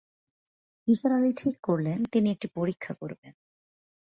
নিসার আলি ঠিক করলেন, তিনি একটি পরীক্ষা করবেন।